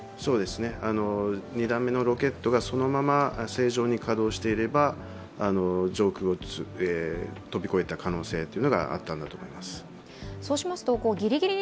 ２段目のロケットがそのまま正常に稼働していれば上空を飛び越えた可能性があると思います。